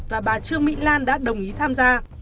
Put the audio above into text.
và bà trương mỹ lan đã đồng ý tham gia